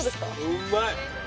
うんまい